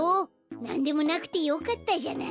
なんでもなくてよかったじゃない。